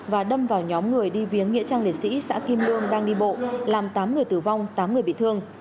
và đâm vào nhóm người đi viếng nghĩa trang liệt sĩ xã kim lương đang đi bộ làm tám người tử vong tám người bị thương